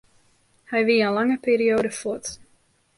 Hy wie in lange perioade fuort.